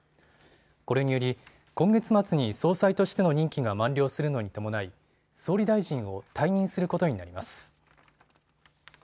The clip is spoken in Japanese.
これにより今月末に総裁としての任期が満了するのに伴い総理大臣を退任することになります。